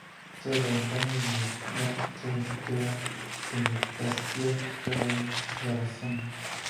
Sobre las ventanas del desván se sitúa el hastial cerrado con tablazón.